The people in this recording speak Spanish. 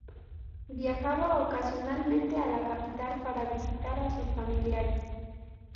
Viajaba ocasionalmente a la capital para visitar a sus familiares.